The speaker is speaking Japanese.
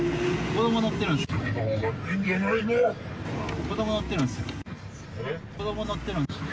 子ども乗ってるんで。